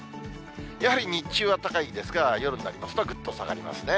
やはり日中は高いんですが、夜になりますと、ぐっと下がりますね。